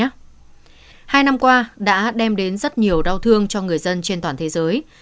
hai năm qua đã đem đến rất nhiều đau thương cho người dân trên toàn thế giới